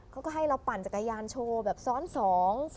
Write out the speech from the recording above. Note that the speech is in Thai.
เขาก็ให้เราปั่นจักรยานโชว์แบบซ้อนสอง